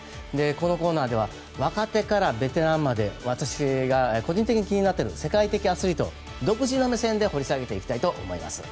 このコーナーでは若手からベテランまで私が個人的に気になっている世界的アスリートを独自の目線で掘り下げていきたいと思います。